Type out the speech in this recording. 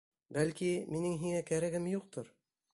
Бәлки, минең һиңә кәрәгем юҡтыр?